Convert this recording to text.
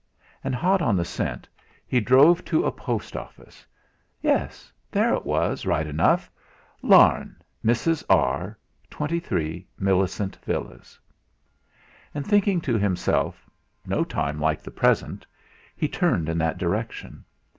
And, hot on the scent, he drove to a post office. Yes, there it was, right enough! "Larne, Mrs. R., 23, Millicent Villas." And thinking to himself: 'No time like the present,' he turned in that direction.